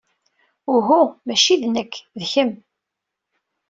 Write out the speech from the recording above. Uhu, maci d nekk, d kemm!